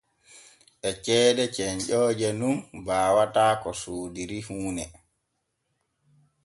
E ceede cenƴooje nun baawata ko soodiri huune.